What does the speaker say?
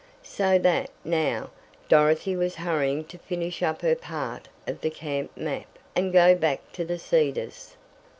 So that, now, Dorothy was hurrying to finish up her part of the camp map, and go back to the Cedars.